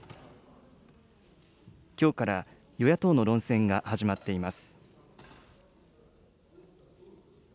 きょうから与野党の論戦が始まっています。